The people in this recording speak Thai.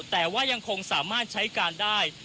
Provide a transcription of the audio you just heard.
แต่ว่ายังคงสามารถใช้การได้